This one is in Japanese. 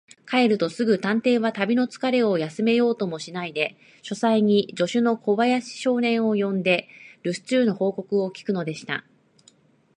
帰るとすぐ、探偵は旅のつかれを休めようともしないで、書斎に助手の小林少年を呼んで、るす中の報告を聞くのでした。